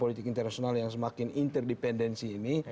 politik internasional yang semakin interdependensi ini